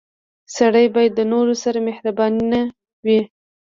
• سړی باید د نورو سره مهربان وي.